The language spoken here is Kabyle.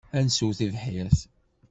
Ad nessew tibḥirt.